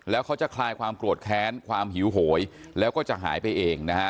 แล้วเขาจะคลายความโกรธแค้นความหิวโหยแล้วก็จะหายไปเองนะฮะ